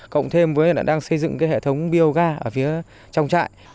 cộng thêm với đang xây dựng hệ thống biogar ở phía trong trại